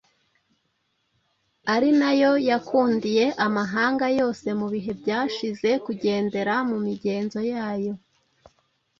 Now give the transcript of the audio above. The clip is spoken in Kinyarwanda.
ari na Yo yakundiye amahanga yose mu bihe byashize kugendera mu migenzo yayo.